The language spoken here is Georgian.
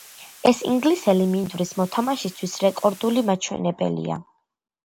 ეს ინგლისელი მინდვრის მოთამაშისთვის რეკორდული მაჩვენებელია.